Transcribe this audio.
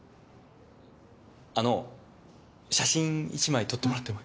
あの写真１枚撮ってもらっても。